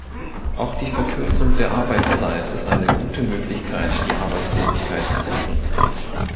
Auch die Verkürzung der Arbeitszeit ist eine gute Möglichkeit, die Arbeitslosigkeit zu senken.